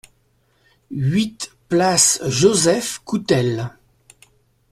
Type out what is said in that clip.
huit place Joseph Coutel